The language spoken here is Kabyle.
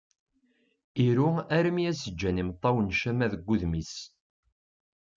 Iru armi i as-ǧǧan yimeṭṭawen ccama deg udem-is.